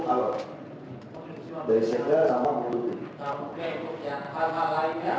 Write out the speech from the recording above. yang dipercayai adalah antanya